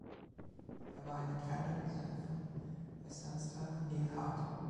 Er war ein entfernter Cousin von Westernstar Neal Hart.